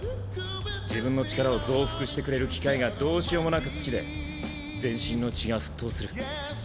自分の力を増幅してくれる機械がどうしようもなく好きで全身の血が沸騰する。